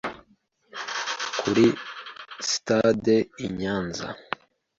kuri Sitade i Nyanza